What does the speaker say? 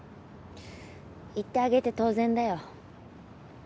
行ってあげて当然だよ。